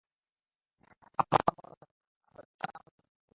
আমার মনে হয়, হয় তো আল্লাহ আমাকে ক্ষমা করবেন না।